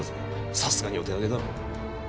さすがにお手上げだろ。